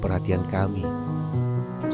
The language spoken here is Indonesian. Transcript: selain memberikan pakaian